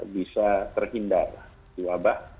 bisa terhindar wabah